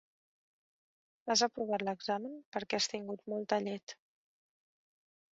Has aprovat l'examen perquè has tingut molta llet.